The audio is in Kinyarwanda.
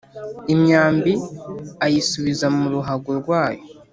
imyambi ayisubiza muruhago rwayo